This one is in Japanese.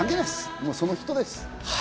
もう、その人です。